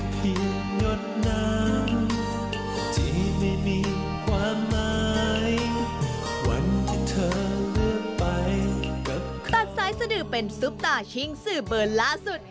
ตัดสายสดือเป็นซุปตาชิงสื่อเบอร์ล่าสุด